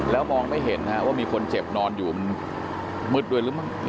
แล้วมองไม่เห็นว่ามีคนเจ็บนอนอยู่มันมืดด้วยหรือมั้ง